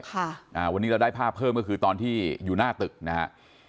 ค่ะอ่าวันนี้เราได้ภาพเพิ่มก็คือตอนที่อยู่หน้าตึกนะฮะ